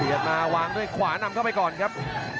อื้อหือจังหวะขวางแล้วพยายามจะเล่นงานด้วยซอกแต่วงใน